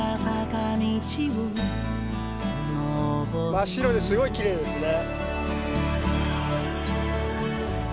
真っ白ですごいきれいですね。